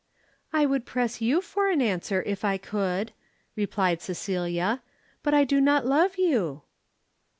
"I would press you for an answer, if I could," replied Cecilia, "but I do not love you."